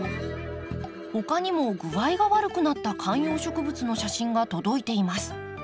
他にも具合が悪くなった観葉植物の写真が届いています。